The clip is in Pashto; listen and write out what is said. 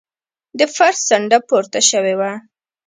د فرش څنډه پورته شوې وه.